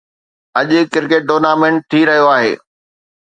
اڄ cricket tournament ٿي رهيو آهي